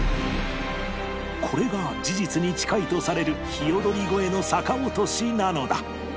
これが事実に近いとされるひよどり越えの逆落としなのだ